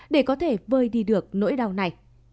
để có thể vơi đi được nỗi đau này